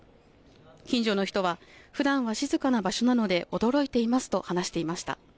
近所の人はふだんは静かな場所なので驚いていますと話していました。